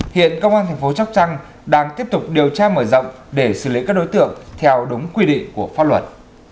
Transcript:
hiện công an thành phố sóc trăng đang tiếp tục điều tra mở rộng để xử lý các đối tượng theo đúng quy định của pháp luật